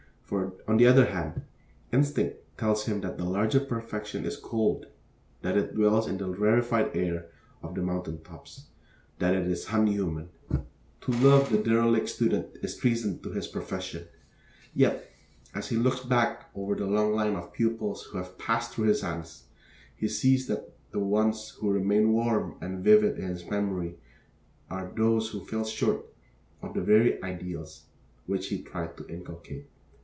On the other hand, instinct tells him that the larger perfection is cold; that it dwells in the rarefied air of the mountain tops; that it is un human. To love the derelict student is treason to his profession; yet, as he looks back over the long line of pupils who have passed through his hands, he sees that the ones who remain warm and vivid in his memory are those who fell most short of the very ideals which he tried to inculcate.